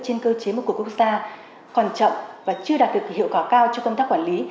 trên cơ chế mục của quốc gia còn chậm và chưa đạt được hiệu quả cao cho công tác quản lý